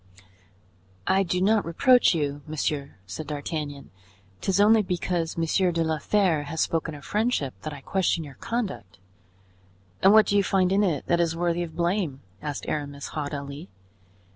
"I do not reproach you, monsieur," said D'Artagnan; "'tis only because Monsieur de la Fere has spoken of friendship that I question your conduct." "And what do you find in it that is worthy of blame?" asked Aramis, haughtily.